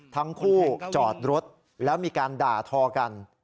ทั้งคู่จอดรถแล้วมีการด่าทอกัน